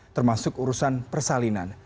termasuk urusan persalinan